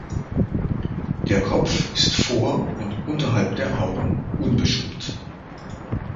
Der Kopf ist vor und unterhalb der Augen unbeschuppt.